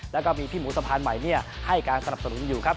แล้วก็มีพี่หมูสะพานใหม่ให้การสนับสนุนอยู่ครับ